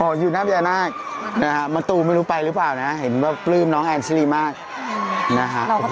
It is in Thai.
อ๋ออยู่นัพยานาคนะฮะมันตูไม่รู้ไปหรือเปล่านะเห็นว่าปลื้มน้องแอลซีรีมากนะฮะโอ้โหดูฮะ